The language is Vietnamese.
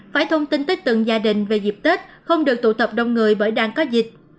phải thông tin tới từng gia đình về dịp tết không được tụ tập đông người bởi đang có dịch